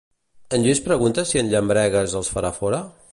En Lluís pregunta si en Llambregues els farà fora?